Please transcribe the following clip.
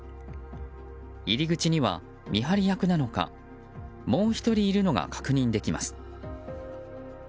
入り口には見張り役なのかもう１人いるのが確認できます。